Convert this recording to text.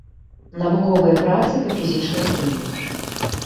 Навуковыя працы па фізічнай хіміі.